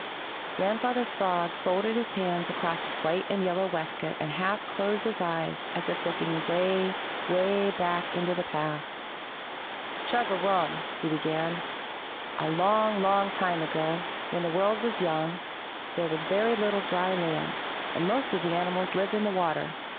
Grandfather Frog folded his hands across his white and yellow waistcoat and half closed his eyes, as if looking way, way back into the past. "Chug a rum!" he began. "A long, long time ago, when the world was young, there was very little dry land, and most of the animals lived in the water.